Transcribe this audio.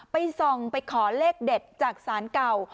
ไปส่องไปขอเลขเด็ดจากศาลเก่า